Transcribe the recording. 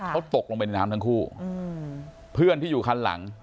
เขาตกลงไปในน้ำทั้งคู่เพื่อนที่อยู่คันหลัง